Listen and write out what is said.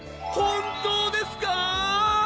本当ですか！